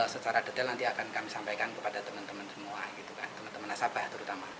secara detail nanti akan kami sampaikan kepada teman teman semua gitu kan teman teman nasabah terutama